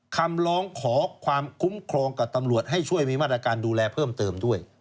คำร้องขอความคุ้มครองกับตำรวจให้ช่วยมีมาตรการดูแลเพิ่มเติมด้วย